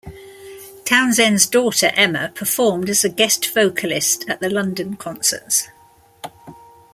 Townshend's daughter Emma performed as a guest vocalist at the London concerts.